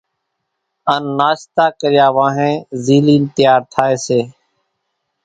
ان ناشتا ڪريا وانھين زيلين تيار ٿائي سي۔